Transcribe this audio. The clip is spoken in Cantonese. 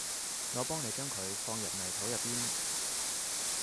我幫你將佢放入泥土入邊